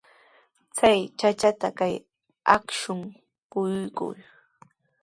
Chay chachata kay akshun quykuy.